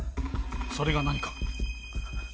それが何か？